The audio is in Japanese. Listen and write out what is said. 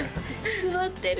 「座ってる！」